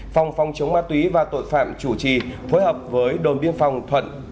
phòng phòng chống ma túy và tội phạm chủ trì phối hợp với đồn biên phòng thuận